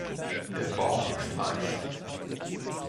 Der Bauch ist weiß.